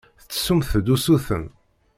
Tettessumt-d usuten.